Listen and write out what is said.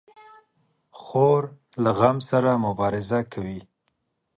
خور له غم سره مبارزه کوي.